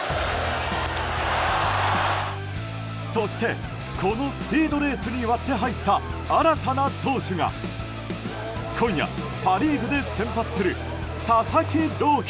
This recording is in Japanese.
そして、このスピードレースに割って入った新たな投手が今夜、パ・リーグで先発する佐々木朗希。